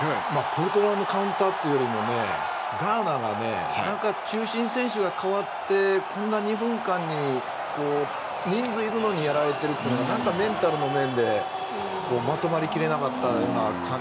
ポルトガルのカウンターというよりもガーナが中心選手が代わってこんな２分間に人数いるのにやられてるというのがメンタルの面でまとまりきれなかったような。